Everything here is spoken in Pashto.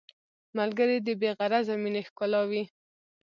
ملګری د بې غرضه مینې ښکلا وي